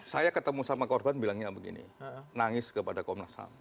saya ketemu sama korban bilangnya begini nangis kepada komnas ham